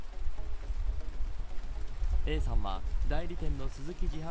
Ａさんは代理店のスズキ自販